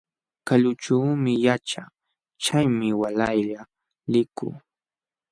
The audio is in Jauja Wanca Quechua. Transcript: Kalućhuumi yaćhaa, chaymi waalaylla likuu.